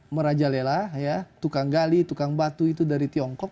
merajalela tukang gali tukang batu itu dari tiongkok